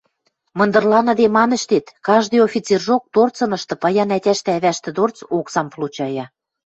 Мындырланыде мам ӹштет, каждый офицержок торцынышты, паян ӓтяштӹ-ӓвӓштӹ дорц, оксам получая...